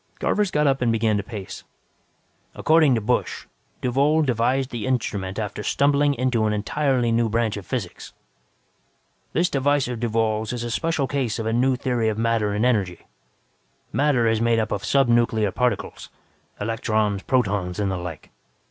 Garvers got up and began to pace. "According to Busch, Duvall devised the instrument after stumbling into an entirely new branch of physics. "This device of Duvall's is a special case of a new theory of matter and energy. Matter is made up of subnuclear particles electrons, protons and the like.